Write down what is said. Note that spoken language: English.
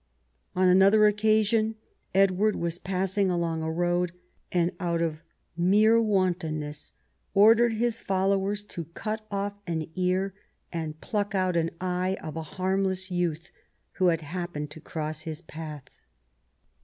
On another occasion Edward was passing along a road, and, out of mere wantonness, ordered his followers to cut off an ear and pluck out an eye of a harndcss youth who had hajjpened to cross his path.